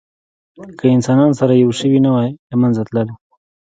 که انسانان سره یو شوي نه وی، له منځه تلل.